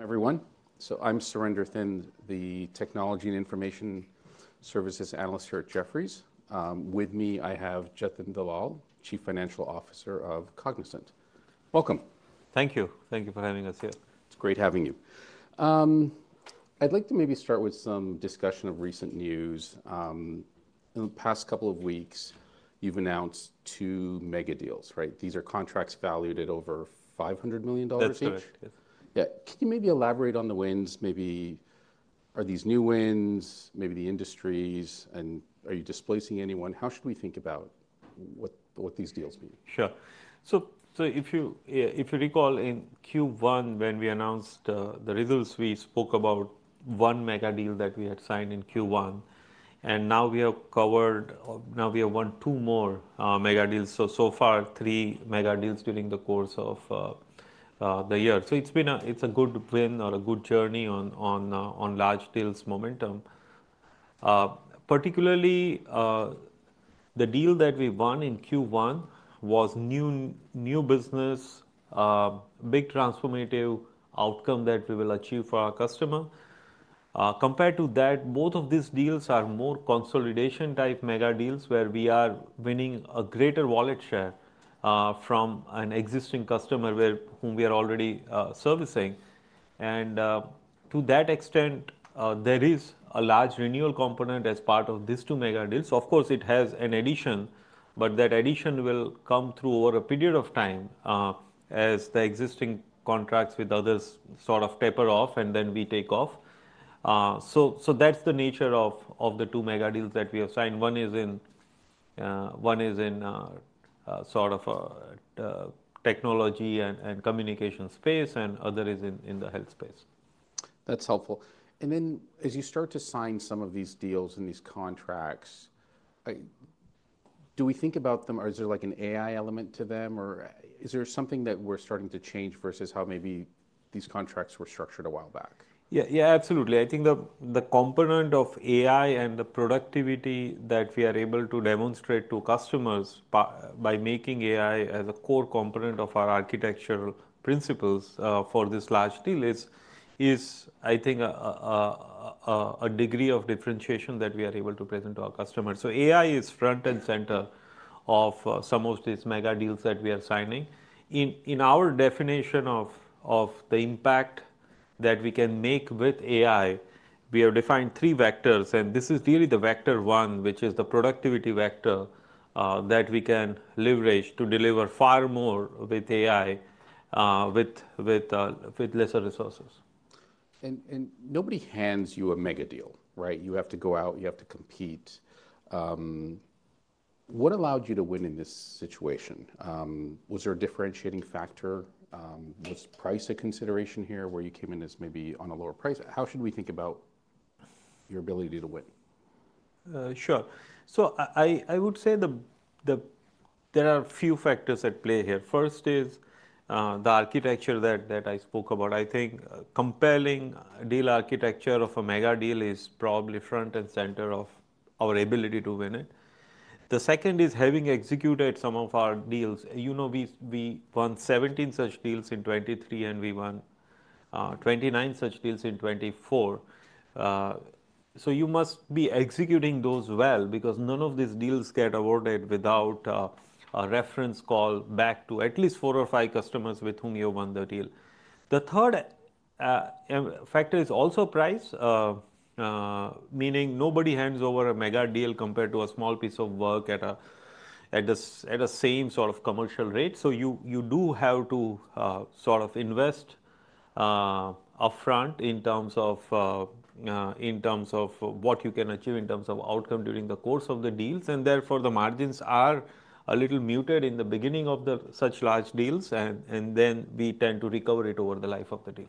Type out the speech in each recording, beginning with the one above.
Everyone. I'm Surendra Thinn, the Technology and Information Services Analyst here at Jefferies. With me, I have Jatin Dalal, Chief Financial Officer of Cognizant. Welcome. Thank you. Thank you for having us here. It's great having you. I'd like to maybe start with some discussion of recent news. In the past couple of weeks, you've announced two mega deals, right? These are contracts valued at over $500 million each. That's correct. Yeah. Can you maybe elaborate on the wins? Maybe are these new wins? Maybe the industries? And are you displacing anyone? How should we think about what these deals mean? Sure. If you recall, in Q1, when we announced the results, we spoke about one mega deal that we had signed in Q1. We have now won two more mega deals. So far, three mega deals during the course of the year. It has been a good win or a good journey on large deals momentum. Particularly, the deal that we won in Q1 was new business, big transformative outcome that we will achieve for our customer. Compared to that, both of these deals are more consolidation-type mega deals, where we are winning a greater wallet share from an existing customer whom we are already servicing. To that extent, there is a large renewal component as part of these two mega deals. Of course, it has an addition, but that addition will come through over a period of time as the existing contracts with others sort of taper off, and then we take off. That is the nature of the two mega deals that we have signed. One is in sort of technology and communication space, and the other is in the health space. That's helpful. As you start to sign some of these deals and these contracts, do we think about them, or is there like an AI element to them, or is there something that we're starting to change versus how maybe these contracts were structured a while back? Yeah, absolutely. I think the component of AI and the productivity that we are able to demonstrate to customers by making AI as a core component of our architectural principles for this large deal is, I think, a degree of differentiation that we are able to present to our customers. AI is front and center of some of these mega deals that we are signing. In our definition of the impact that we can make with AI, we have defined three vectors. This is really the vector one, which is the productivity vector that we can leverage to deliver far more with AI with lesser resources. Nobody hands you a mega deal, right? You have to go out. You have to compete. What allowed you to win in this situation? Was there a differentiating factor? Was price a consideration here, where you came in as maybe on a lower price? How should we think about your ability to win? Sure. I would say there are a few factors at play here. First is the architecture that I spoke about. I think compelling deal architecture of a mega deal is probably front and center of our ability to win it. The second is having executed some of our deals. You know we won 17 such deals in 2023, and we won 29 such deals in 2024. You must be executing those well because none of these deals get awarded without a reference call back to at least four or five customers with whom you have won the deal. The third factor is also price, meaning nobody hands over a mega deal compared to a small piece of work at the same sort of commercial rate. You do have to sort of invest upfront in terms of what you can achieve in terms of outcome during the course of the deals. Therefore, the margins are a little muted in the beginning of such large deals, and then we tend to recover it over the life of the deal.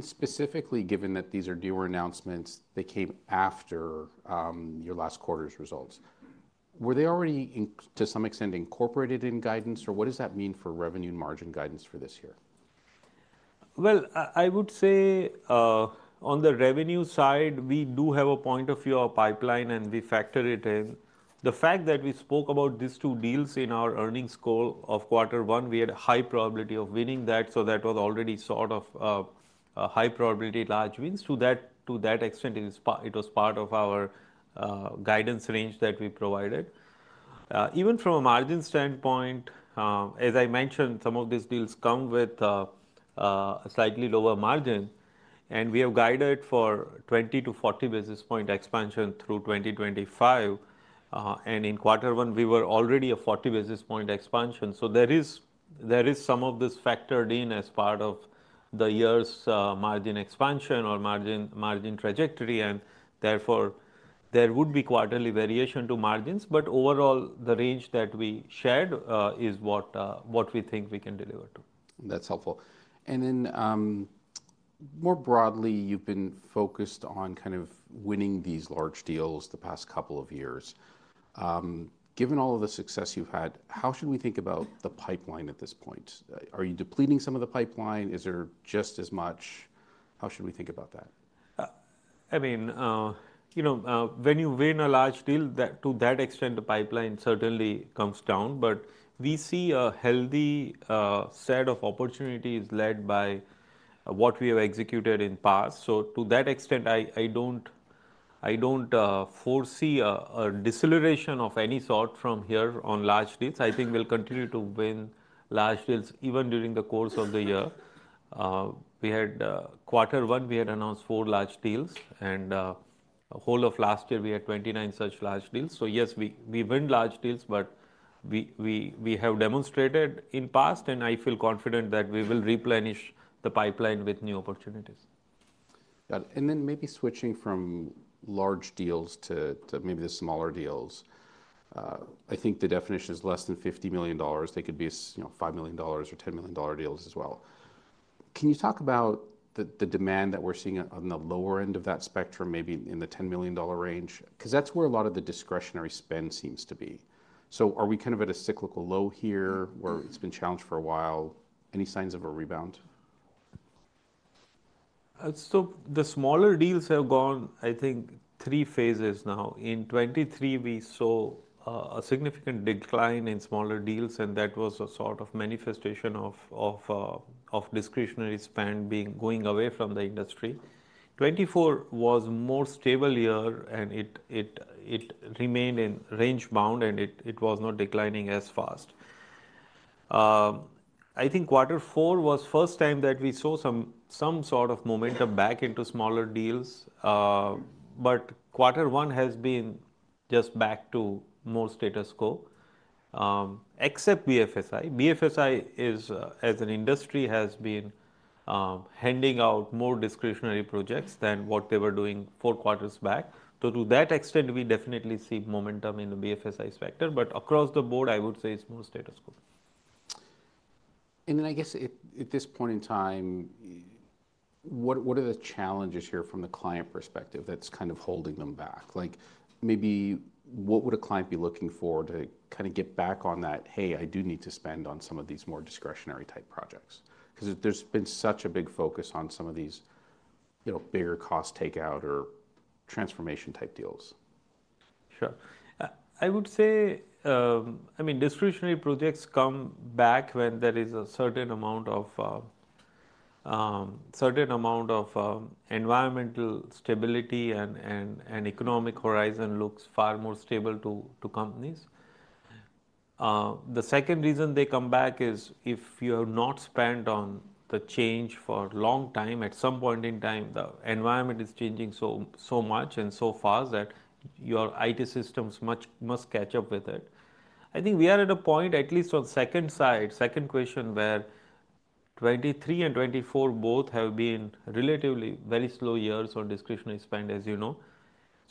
Specifically, given that these are deal announcements that came after your last quarter's results, were they already to some extent incorporated in guidance, or what does that mean for revenue and margin guidance for this year? I would say on the revenue side, we do have a point of view, a pipeline, and we factor it in. The fact that we spoke about these two deals in our earnings call of quarter one, we had a high probability of winning that. That was already sort of a high probability large wins. To that extent, it was part of our guidance range that we provided. Even from a margin standpoint, as I mentioned, some of these deals come with a slightly lower margin. We have guided for 20-40 basis points expansion through 2025. In quarter one, we were already a 40 basis point expansion. There is some of this factored in as part of the year's margin expansion or margin trajectory. Therefore, there would be quarterly variation to margins. Overall, the range that we shared is what we think we can deliver to. That's helpful. More broadly, you've been focused on kind of winning these large deals the past couple of years. Given all of the success you've had, how should we think about the pipeline at this point? Are you depleting some of the pipeline? Is there just as much? How should we think about that? I mean, when you win a large deal, to that extent, the pipeline certainly comes down. We see a healthy set of opportunities led by what we have executed in the past. To that extent, I don't foresee a deceleration of any sort from here on large deals. I think we'll continue to win large deals even during the course of the year. In quarter one, we announced four large deals. The whole of last year, we had 29 such large deals. Yes, we win large deals, as we have demonstrated in the past, and I feel confident that we will replenish the pipeline with new opportunities. Got it. Maybe switching from large deals to maybe the smaller deals, I think the definition is less than $50 million. They could be $5 million or $10 million deals as well. Can you talk about the demand that we're seeing on the lower end of that spectrum, maybe in the $10 million range? Because that's where a lot of the discretionary spend seems to be. Are we kind of at a cyclical low here where it's been challenged for a while? Any signs of a rebound? The smaller deals have gone, I think, three phases now. In 2023, we saw a significant decline in smaller deals, and that was a sort of manifestation of discretionary spend going away from the industry. 2024 was a more stable year, and it remained in range bound, and it was not declining as fast. I think quarter four was the first time that we saw some sort of momentum back into smaller deals. Quarter one has been just back to more status quo, except BFSI. BFSI, as an industry, has been handing out more discretionary projects than what they were doing four quarters back. To that extent, we definitely see momentum in the BFSI sector. Across the board, I would say it's more status quo. I guess at this point in time, what are the challenges here from the client perspective that's kind of holding them back? Maybe what would a client be looking for to kind of get back on that, "Hey, I do need to spend on some of these more discretionary type projects?" Because there's been such a big focus on some of these bigger cost takeout or transformation type deals. Sure. I would say, I mean, discretionary projects come back when there is a certain amount of environmental stability and economic horizon looks far more stable to companies. The second reason they come back is if you have not spent on the change for a long time, at some point in time, the environment is changing so much and so fast that your IT systems must catch up with it. I think we are at a point, at least on the second side, second question, where 2023 and 2024 both have been relatively very slow years on discretionary spend, as you know.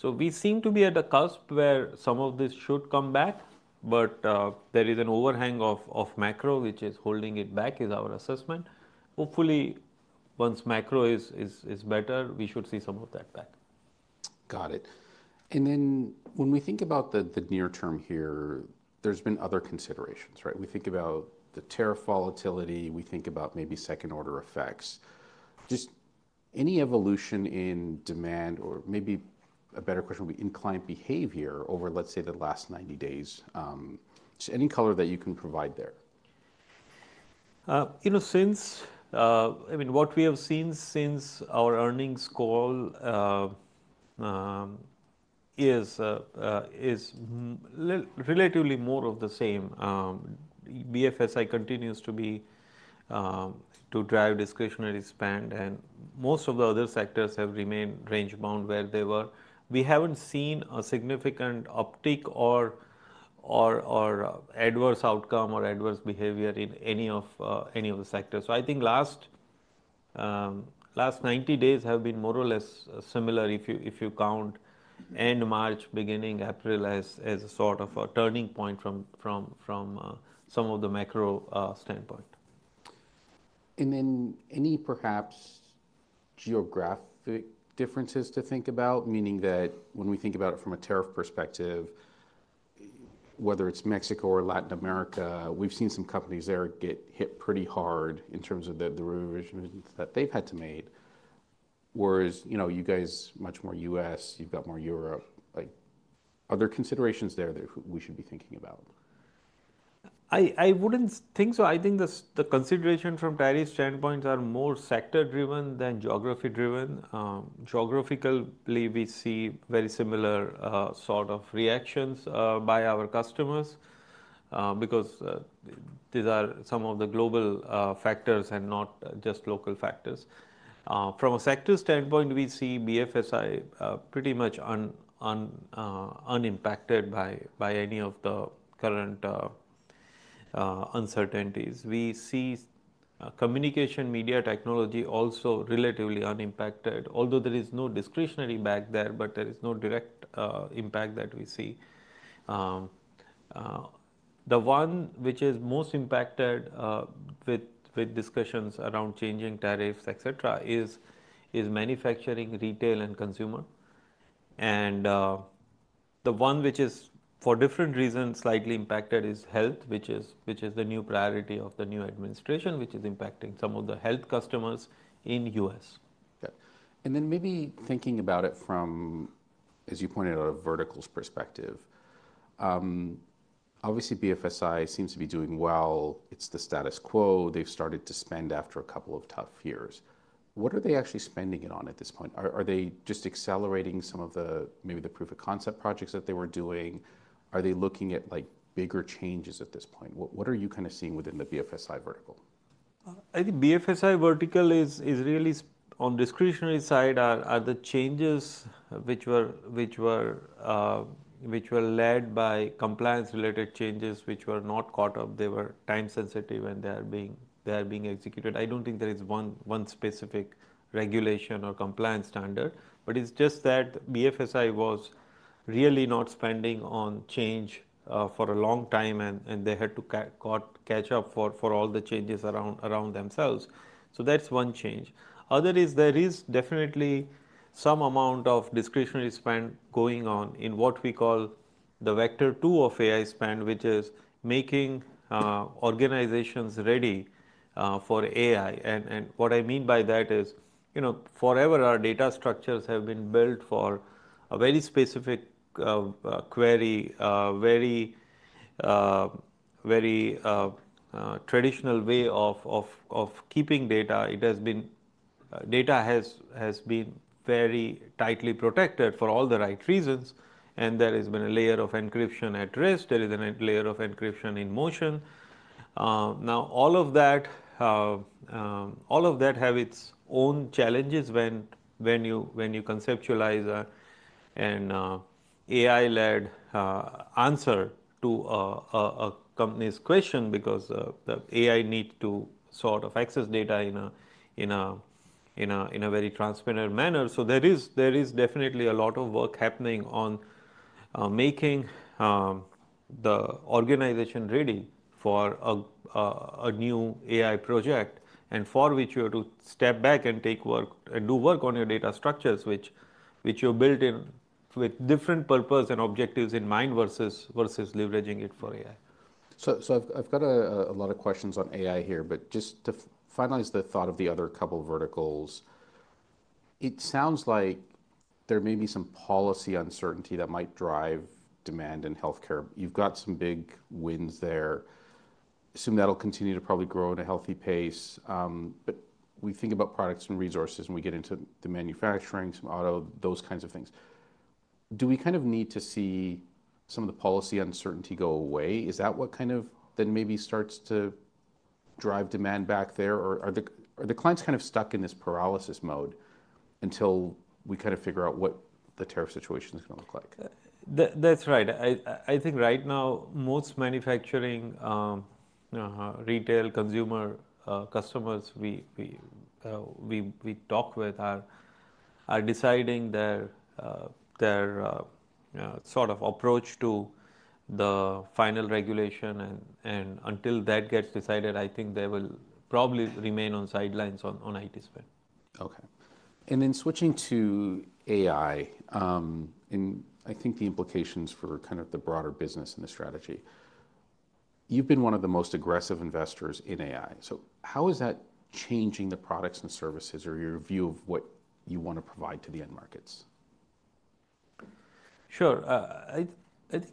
We seem to be at a cusp where some of this should come back, but there is an overhang of macro, which is holding it back, is our assessment. Hopefully, once macro is better, we should see some of that back. Got it. When we think about the near term here, there's been other considerations, right? We think about the tariff volatility. We think about maybe second order effects. Just any evolution in demand, or maybe a better question would be inclined behavior over, let's say, the last 90 days? Just any color that you can provide there? I mean, what we have seen since our earnings call is relatively more of the same. BFSI continues to drive discretionary spend, and most of the other sectors have remained range bound where they were. We haven't seen a significant uptick or adverse outcome or adverse behavior in any of the sectors. I think last 90 days have been more or less similar if you count end March, beginning April as a sort of a turning point from some of the macro standpoint. And any perhaps geographic differences to think about? Meaning that when we think about it from a tariff perspective, whether it's Mexico or Latin America, we've seen some companies there get hit pretty hard in terms of the revisions that they've had to make. Whereas you guys are much more US, you've got more Europe. Are there considerations there that we should be thinking about? I wouldn't think so. I think the considerations from Tharay's standpoint are more sector-driven than geography-driven. Geographically, we see very similar sort of reactions by our customers because these are some of the global factors and not just local factors. From a sector standpoint, we see BFSI pretty much unimpacted by any of the current uncertainties. We see communication media technology also relatively unimpacted, although there is no discretionary back there, but there is no direct impact that we see. The one which is most impacted with discussions around changing tariffs, etc., is manufacturing, retail, and consumer. The one which is for different reasons slightly impacted is health, which is the new priority of the new administration, which is impacting some of the health customers in the U.S. Got it. Maybe thinking about it from, as you pointed out, a verticals perspective, obviously BFSI seems to be doing well. It's the status quo. They've started to spend after a couple of tough years. What are they actually spending it on at this point? Are they just accelerating some of the maybe the proof of concept projects that they were doing? Are they looking at bigger changes at this point? What are you kind of seeing within the BFSI vertical? I think BFSI vertical is really on the discretionary side. Are the changes which were led by compliance-related changes which were not caught up? They were time-sensitive, and they are being executed. I do not think there is one specific regulation or compliance standard. It is just that BFSI was really not spending on change for a long time, and they had to catch up for all the changes around themselves. That is one change. Other is there is definitely some amount of discretionary spend going on in what we call the vector two of AI spend, which is making organizations ready for AI. What I mean by that is forever our data structures have been built for a very specific query, very traditional way of keeping data. Data has been very tightly protected for all the right reasons. There has been a layer of encryption at rest. There is a layer of encryption in motion. Now, all of that has its own challenges when you conceptualize an AI-led answer to a company's question because the AI needs to sort of access data in a very transparent manner. There is definitely a lot of work happening on making the organization ready for a new AI project, and for which you have to step back and do work on your data structures, which you've built in with different purpose and objectives in mind versus leveraging it for AI. I've got a lot of questions on AI here, but just to finalize the thought of the other couple of verticals, it sounds like there may be some policy uncertainty that might drive demand in healthcare. You've got some big wins there. Assume that'll continue to probably grow at a healthy pace. We think about products and resources, and we get into the manufacturing, some auto, those kinds of things. Do we kind of need to see some of the policy uncertainty go away? Is that what kind of then maybe starts to drive demand back there? Are the clients kind of stuck in this paralysis mode until we kind of figure out what the tariff situation is going to look like. That's right. I think right now, most manufacturing, retail, consumer customers we talk with are deciding their sort of approach to the final regulation. Until that gets decided, I think they will probably remain on sidelines on IT spend. Okay. Switching to AI, and I think the implications for kind of the broader business and the strategy, you've been one of the most aggressive investors in AI. How is that changing the products and services or your view of what you want to provide to the end markets? Sure. I think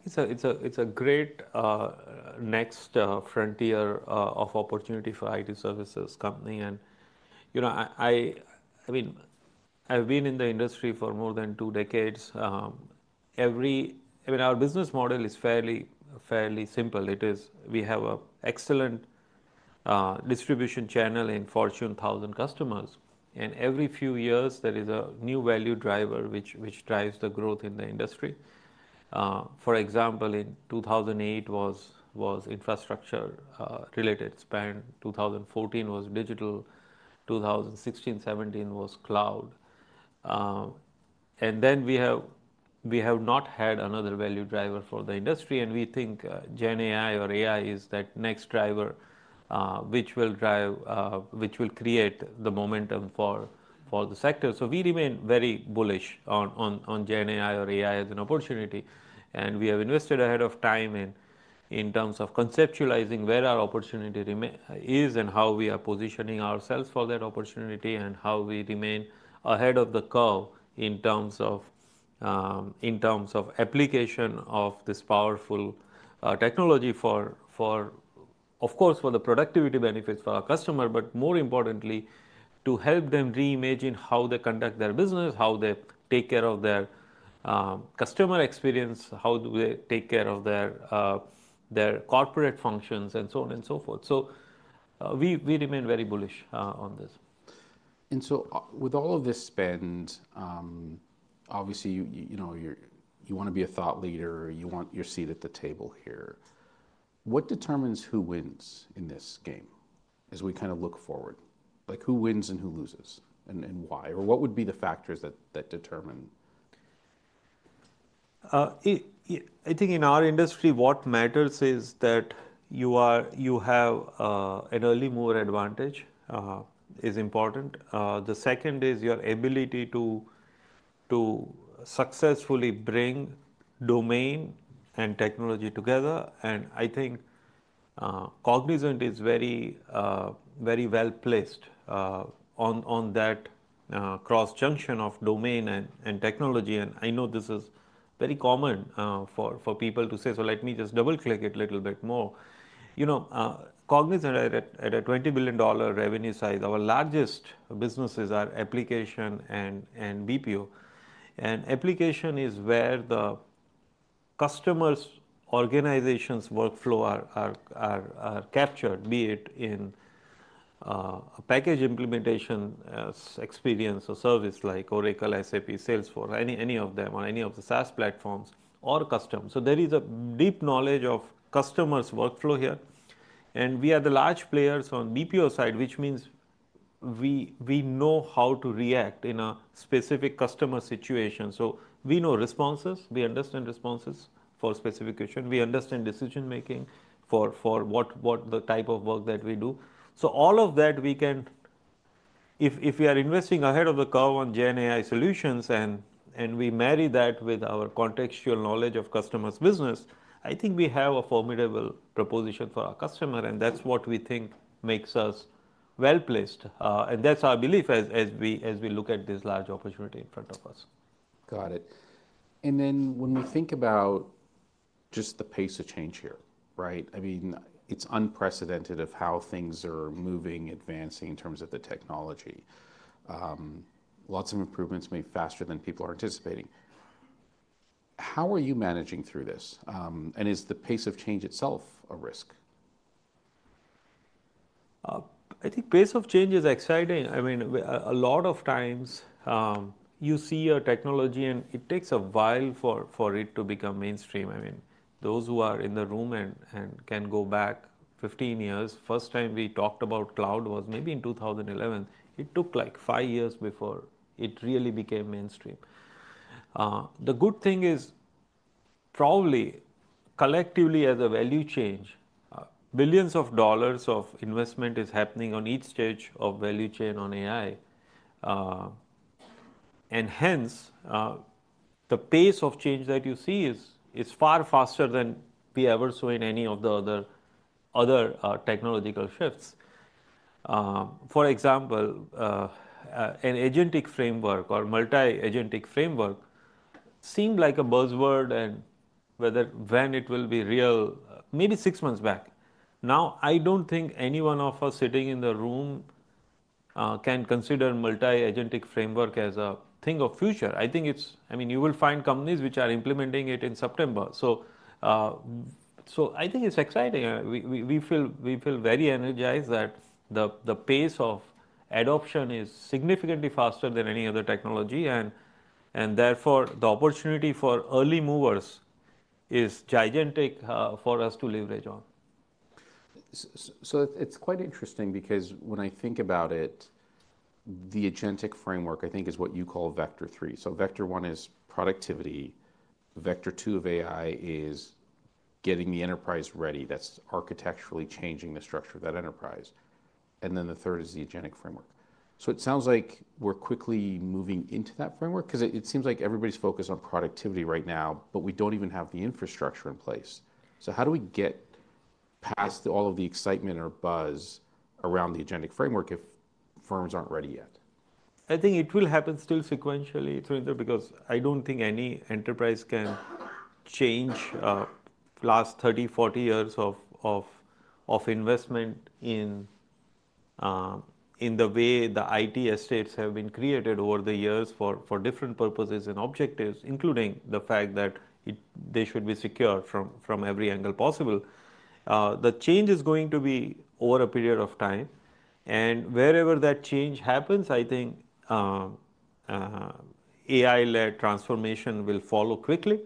it's a great next frontier of opportunity for IT services company. I mean, I've been in the industry for more than two decades. I mean, our business model is fairly simple. We have an excellent distribution channel in Fortune 1000 customers. Every few years, there is a new value driver which drives the growth in the industry. For example, 2008 was infrastructure-related spend. 2014 was digital. 2016, 2017 was cloud. We have not had another value driver for the industry. We think GenAI or AI is that next driver which will create the momentum for the sector. We remain very bullish on GenAI or AI as an opportunity. We have invested ahead of time in terms of conceptualizing where our opportunity is and how we are positioning ourselves for that opportunity and how we remain ahead of the curve in terms of application of this powerful technology for, of course, for the productivity benefits for our customer, but more importantly, to help them reimagine how they conduct their business, how they take care of their customer experience, how do they take care of their corporate functions, and so on and so forth. We remain very bullish on this. With all of this spend, obviously you want to be a thought leader. You want your seat at the table here. What determines who wins in this game as we kind of look forward? Who wins and who loses, and why? What would be the factors that determine? I think in our industry, what matters is that you have an early mover advantage is important. The second is your ability to successfully bring domain and technology together. I think Cognizant is very well placed on that cross-junction of domain and technology. I know this is very common for people to say, "So let me just double-click it a little bit more." Cognizant at a $20 billion revenue size, our largest businesses are application and BPO. Application is where the customers' organization's workflow are captured, be it in a package implementation experience or service like Oracle, SAP, Salesforce, any of them, or any of the SaaS platforms or customers. There is a deep knowledge of customers' workflow here. We are the large players on BPO side, which means we know how to react in a specific customer situation. We know responses. We understand responses for specific questions. We understand decision-making for the type of work that we do. All of that, if we are investing ahead of the curve on GenAI solutions and we marry that with our contextual knowledge of customers' business, I think we have a formidable proposition for our customer. That is what we think makes us well placed. That is our belief as we look at this large opportunity in front of us. Got it. When we think about just the pace of change here, right? I mean, it's unprecedented of how things are moving, advancing in terms of the technology. Lots of improvements made faster than people are anticipating. How are you managing through this? Is the pace of change itself a risk? I think pace of change is exciting. I mean, a lot of times you see a technology, and it takes a while for it to become mainstream. I mean, those who are in the room and can go back 15 years, first time we talked about cloud was maybe in 2011. It took like five years before it really became mainstream. The good thing is probably collectively as a value chain, billions of dollars of investment is happening on each stage of value chain on AI. And hence, the pace of change that you see is far faster than we ever saw in any of the other technological shifts. For example, an agentic framework or multi-agentic framework seemed like a buzzword and whether when it will be real, maybe six months back. Now, I don't think any one of us sitting in the room can consider multi-agentic framework as a thing of the future. I mean, you will find companies which are implementing it in September. I think it's exciting. We feel very energized that the pace of adoption is significantly faster than any other technology. Therefore, the opportunity for early movers is gigantic for us to leverage on. It's quite interesting because when I think about it, the agentic framework, I think, is what you call vector three. Vector one is productivity. Vector two of AI is getting the enterprise ready. That's architecturally changing the structure of that enterprise. Then the third is the agentic framework. It sounds like we're quickly moving into that framework because it seems like everybody's focused on productivity right now, but we don't even have the infrastructure in place. How do we get past all of the excitement or buzz around the agentic framework if firms aren't ready yet? I think it will happen still sequentially through there because I don't think any enterprise can change the last 30-40 years of investment in the way the IT estates have been created over the years for different purposes and objectives, including the fact that they should be secure from every angle possible. The change is going to be over a period of time. Wherever that change happens, I think AI-led transformation will follow quickly.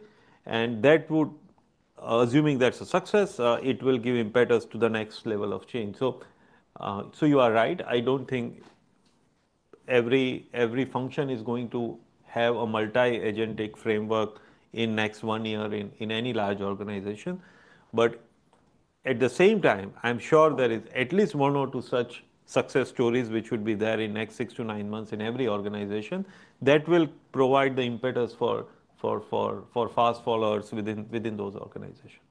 Assuming that's a success, it will give impetus to the next level of change. You are right. I don't think every function is going to have a multi-agentic framework in the next one year in any large organization. At the same time, I'm sure there is at least one or two such success stories which would be there in the next six to nine months in every organization that will provide the impetus for fast followers within those organizations.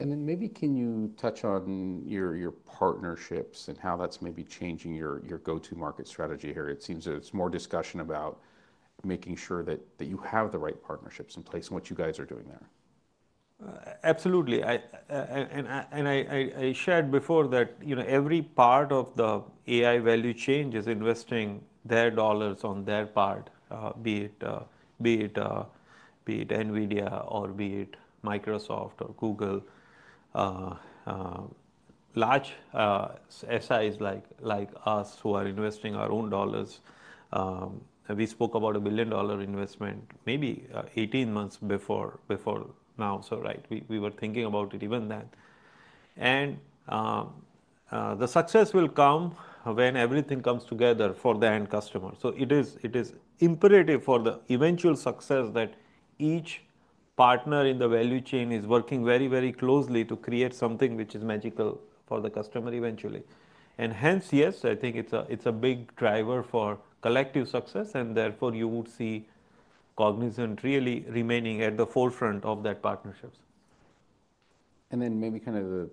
Maybe can you touch on your partnerships and how that's maybe changing your go-to market strategy here? It seems that it's more discussion about making sure that you have the right partnerships in place and what you guys are doing there. Absolutely. I shared before that every part of the AI value chain is investing their dollars on their part, be it Nvidia or be it Microsoft or Google. Large SIs like us who are investing our own dollars. We spoke about a $1 billion investment maybe 18 months before now. Right, we were thinking about it even then. The success will come when everything comes together for the end customer. It is imperative for the eventual success that each partner in the value chain is working very, very closely to create something which is magical for the customer eventually. Yes, I think it is a big driver for collective success. Therefore, you would see Cognizant really remaining at the forefront of that partnership. Maybe kind of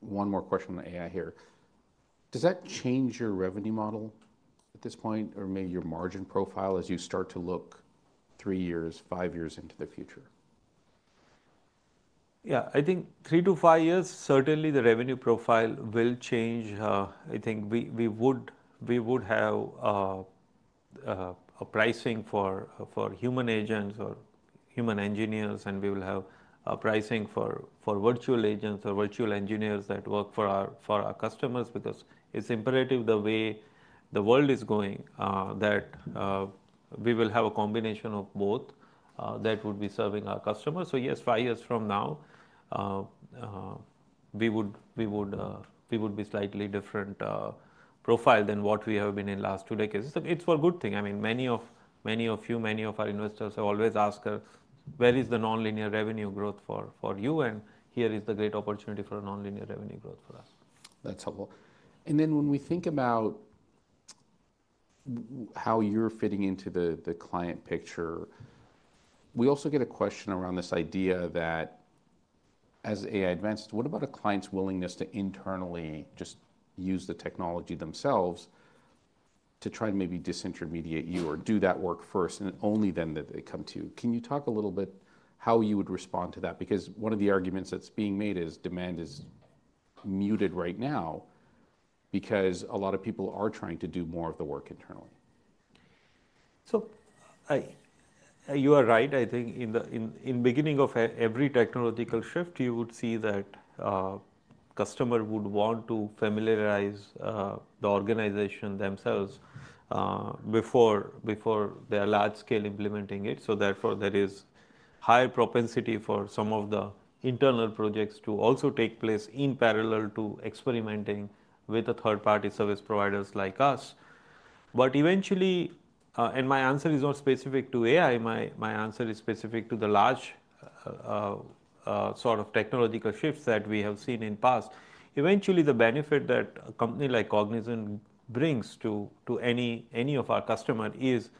one more question on AI here. Does that change your revenue model at this point or maybe your margin profile as you start to look three years, five years into the future? Yeah. I think three to five years, certainly the revenue profile will change. I think we would have a pricing for human agents or human engineers, and we will have a pricing for virtual agents or virtual engineers that work for our customers because it's imperative the way the world is going that we will have a combination of both that would be serving our customers. Yes, five years from now, we would be slightly different profile than what we have been in the last two decades. It's for good thing. I mean, many of you, many of our investors have always asked, "Where is the nonlinear revenue growth for you?" Here is the great opportunity for nonlinear revenue growth for us. That's helpful. When we think about how you're fitting into the client picture, we also get a question around this idea that as AI advances, what about a client's willingness to internally just use the technology themselves to try to maybe disintermediate you or do that work first and only then that they come to you? Can you talk a little bit how you would respond to that? Because one of the arguments that's being made is demand is muted right now because a lot of people are trying to do more of the work internally. You are right. I think in the beginning of every technological shift, you would see that customers would want to familiarize the organization themselves before they are large-scale implementing it. Therefore, there is higher propensity for some of the internal projects to also take place in parallel to experimenting with third-party service providers like us. Eventually, and my answer is not specific to AI. My answer is specific to the large sort of technological shifts that we have seen in the past. Eventually, the benefit that a company like Cognizant brings to any of our customers is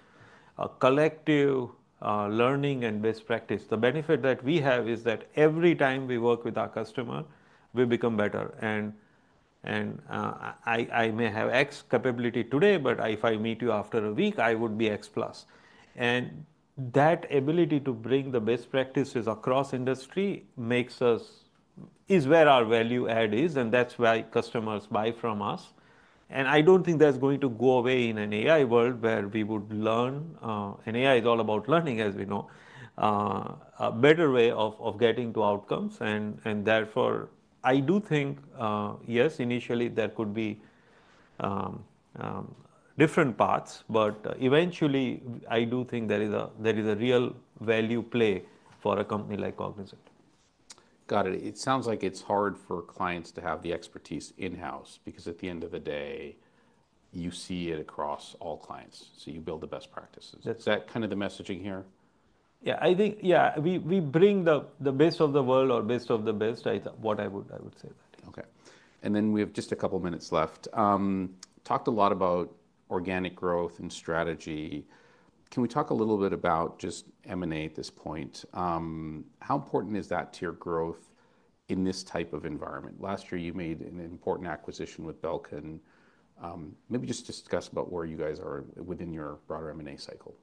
collective learning and best practice. The benefit that we have is that every time we work with our customer, we become better. I may have X capability today, but if I meet you after a week, I would be X plus. That ability to bring the best practices across industry is where our value add is. That is why customers buy from us. I do not think that is going to go away in an AI world where we would learn. AI is all about learning, as we know, a better way of getting to outcomes. Therefore, I do think, yes, initially there could be different paths. Eventually, I do think there is a real value play for a company like Cognizant. Got it. It sounds like it's hard for clients to have the expertise in-house because at the end of the day, you see it across all clients. So you build the best practices. Is that kind of the messaging here? Yeah. I think, yeah, we bring the best of the world or best of the best, what I would say. Okay. We have just a couple of minutes left. Talked a lot about organic growth and strategy. Can we talk a little bit about just M&A at this point? How important is that to your growth in this type of environment? Last year, you made an important acquisition with Belkin. Maybe just discuss about where you guys are within your broader M&A cycle.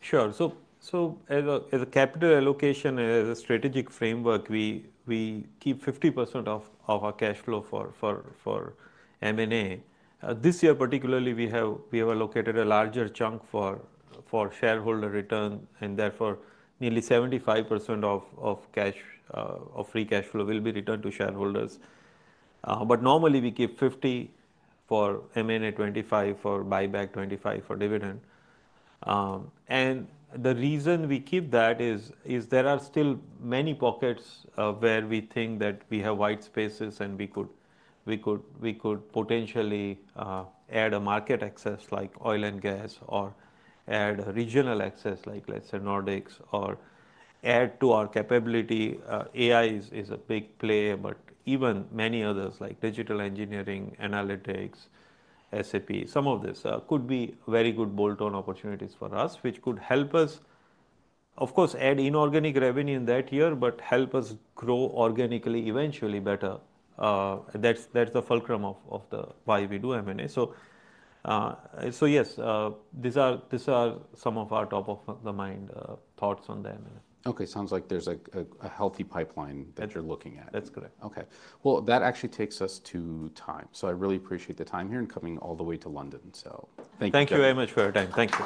Sure. As a capital allocation, as a strategic framework, we keep 50% of our cash flow for M&A. This year, particularly, we have allocated a larger chunk for shareholder return. Therefore, nearly 75% of free cash flow will be returned to shareholders. Normally, we keep 50% for M&A, 25% for buyback, 25% for dividend. The reason we keep that is there are still many pockets where we think that we have white spaces and we could potentially add a market access like oil and gas or add a regional access like, let's say, Nordics or add to our capability. AI is a big play. Even many others like digital engineering, analytics, SAP, some of this could be very good bolt-on opportunities for us, which could help us, of course, add inorganic revenue in that year, but help us grow organically eventually better. That's the fulcrum of why we do M&A. Yes, these are some of our top-of-the-mind thoughts on them. Okay. Sounds like there's a healthy pipeline that you're looking at. That's correct. Okay. That actually takes us to time. I really appreciate the time here and coming all the way to London. Thank you. Thank you very much for your time. Thank you.